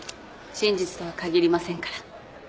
真実とは限りませんから。